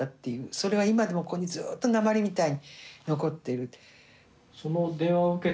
それは今でもここにずっと鉛みたいに残っている。